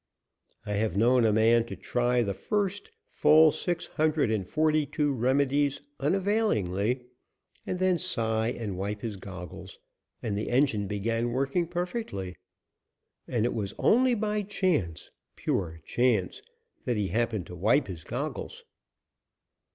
I have known a man to try the full six hundred and forty two remedies unavailingly, and then sigh and wipe his goggles, and the engine began working beautifully. And it was only by chance pure chance that he happened to wipe his goggles.